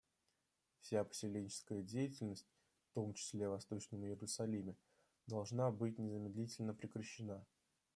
Вся поселенческая деятельность, в том числе в Восточном Иерусалиме, должна быть незамедлительно прекращена.